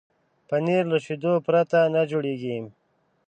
پنېر له شيدو پرته نه جوړېږي.